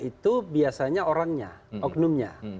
itu biasanya orangnya oknumnya